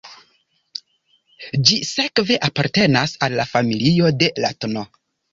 Ĝi sekve apartenas al la familio de la tn.